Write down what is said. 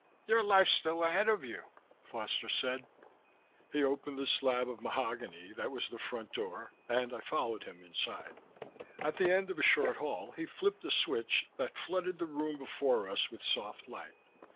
"Your life's still ahead of you," Foster said. He opened the slab of mahogany that was the front door, and I followed him inside. At the end of a short hall he flipped a switch that flooded the room before us with soft light.